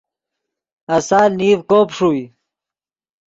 آسال نیڤ کوب ݰوئے